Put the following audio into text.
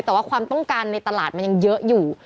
แต่ว่าความต้องการในตลาดมันยังเยอะอยู่